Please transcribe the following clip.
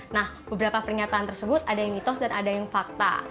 nah beberapa pernyataan tersebut ada yang mitos dan ada yang fakta